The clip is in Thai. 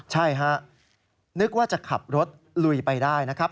ใช่ฮะนึกว่าจะขับรถลุยไปได้นะครับ